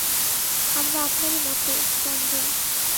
আমরা আপনারই মতে– চন্দ্র।